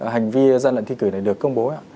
hành vi gian lận thi cử này được công bố